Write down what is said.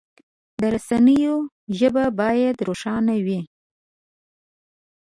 د رسنیو ژبه باید روښانه وي.